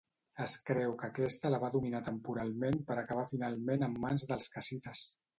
Es creu que aquesta la va dominar temporalment per acabar finalment en mans dels cassites.